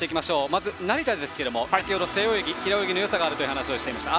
まず成田ですが先ほど背泳ぎ、平泳ぎのよさがあると話していました。